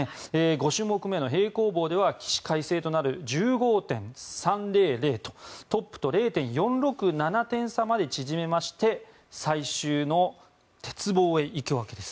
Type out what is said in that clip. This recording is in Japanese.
５種目目の平行棒では起死回生となる１５．３００とトップと０．４６７点差まで縮めまして最終の鉄棒へ行くわけです。